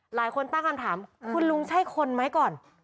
หลายคนตั้งคำถามคุณลุงใช่คนไหมก่อน